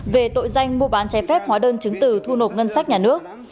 về tội danh mua bán trái phép hóa đơn chứng từ thu nộp ngân sách nhà nước